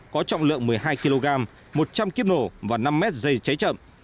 có trọng lượng một mươi hai kg một trăm linh kiếp nổ và năm m dây cháy chậm